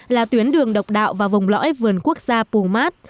là tuyến đường độc đạo và vùng lõi vườn quốc gia pù mát